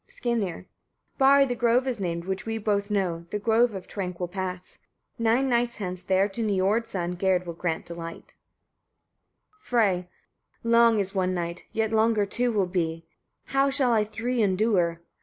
Skirnir. 41. Barri the grove is named, which we both know, the grove of tranquil paths. Nine nights hence, there to Niord's son Gerd will grant delight. Frey. 42. Long is one night, yet longer two will be; how shall I three endure.